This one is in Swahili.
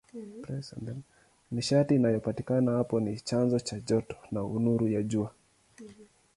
Nishati inayopatikana hapo ni chanzo cha joto na nuru ya Jua.